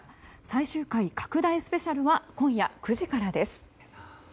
最終回拡大スペシャルは今夜９時からです。